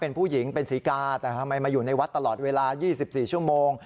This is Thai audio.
เป็นผู้หญิงเป็นศรีกาแต่ทำไมมาอยู่ในวัดตลอดเวลา๒๔ชั่วโมง